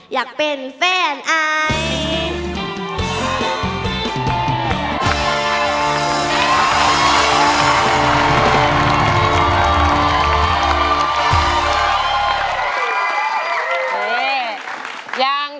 อยากเป็นแฟนอาย